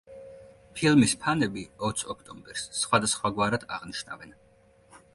ფილმის ფანები ოც ოქტომბერს სხვადასხვაგვარად აღნიშნავენ.